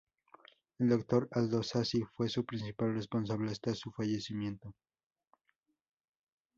El doctor Aldo Sassi fue su principal responsable hasta su fallecimiento.